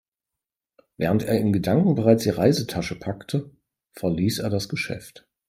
Während er in Gedanken bereits die Reisetasche packte, verließ er das Geschäft.